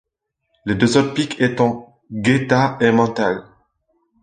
Les deux autres pics étant Guaita et Montale.